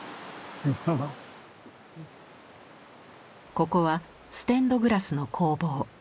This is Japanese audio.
ここはステンドグラスの工房。